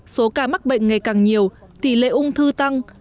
số ca mắc bệnh ngày càng nhiều tỷ lệ ung thư tăng